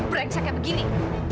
brengsek kayak begini